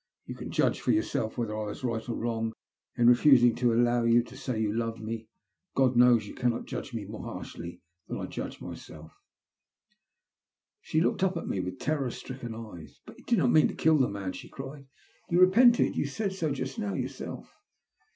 Tou can judge for yourself whether I was right or wrong in refusing to allow you to say you loved me. God knows you cannot judge me more harshly than I judge myself. She looked up at me with terror stricken eyes. '' But you did not mean to kill the man," she eried. You repented — you said bo just now jrourselL 216 THE LUST OF HATE.